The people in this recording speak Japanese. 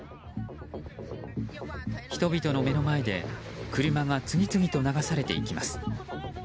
人々の目の前で車が次々と流されていきます。